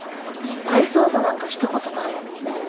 スパイ捜査なんかしたことないのにね。